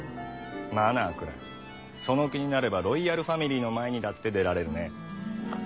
「マナー」くらいその気になればロイヤルファミリーの前にだって出られるね。